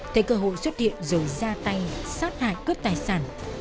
thấy cơ hội xuất hiện rồi ra tay sát hại cướp tài sản